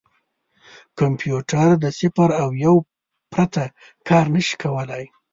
کمپیوټر د صفر او یو پرته کار نه شي کولای.